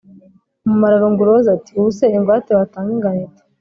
Umumararungu Rose ati: Ubu se ingwate watanga ingana ite